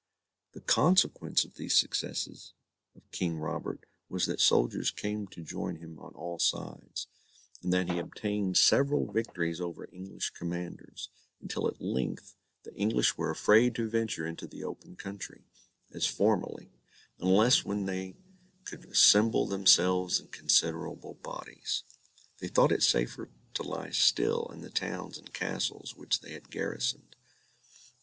The consequence of these successes of King Robert was that soldiers came to join him on all sides, and that he obtained several victories over English commanders; until at length the English were afraid to venture into the open country, as formerly, unless when they could assemble themselves in considerable bodies. They thought it safer to lie still in the towns and castles which they had garrisoned.